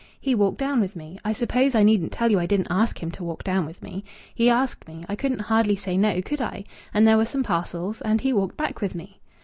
He walked down with me. I suppose I needn't tell you I didn't ask him to walk down with me. He asked me. I couldn't hardly say no, could I? And there were some parcels and he walked back with me."